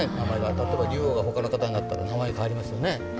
例えば竜王が他の方になったら、名前は変わりますよね。